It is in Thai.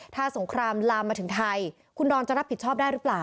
ถ้าสงครามลามมาถึงไทยคุณดอนจะรับผิดชอบได้หรือเปล่า